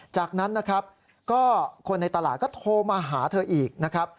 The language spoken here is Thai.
จากนั้นคนในตลาดก็โทรมาหาเธออีก